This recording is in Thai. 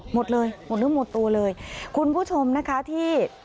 หมดเลยหมดลึกไปหมดตัวเลย